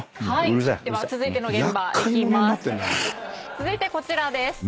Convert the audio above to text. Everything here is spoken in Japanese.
続いてこちらです。